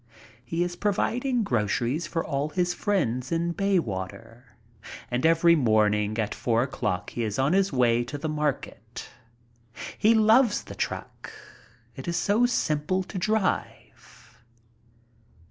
He is providing groceries for all his friends in Bayswater, and every morning at four o'clock he is on his way to the market. He loves the truck. It is so simple to drive.